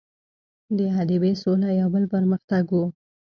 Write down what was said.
د حدیبې سوله یو بل پر مختګ وو.